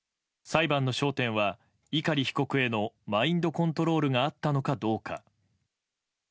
裁判の焦点は碇被告へのマインドコントロールがあったのかどうか。